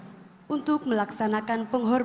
cinta ikhlas ku penuh